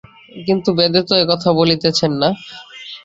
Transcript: কিন্তু বেদ তো এ-কথা বলিতেছেন না।